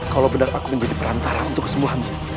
kalau benar aku menjadi perantara untuk semua mu